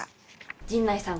陣内さん